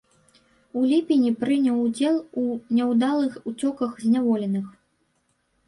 У ліпені прыняў удзел у няўдалых уцёках зняволеных.